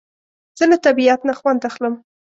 زه له طبیعت نه خوند اخلم